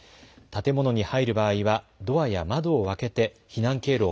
建物に入る場合はドアや窓を開けて避難経路を